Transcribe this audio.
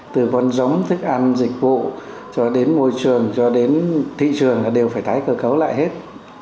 từ con giống thức ăn dịch vụ cho đến môi trường cho đến thị trường đều phải tái cơ cấu lại hết